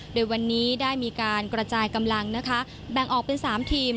โดยวันนี้ได้มีการกระจายกำลังนะคะแบ่งออกเป็น๓ทีม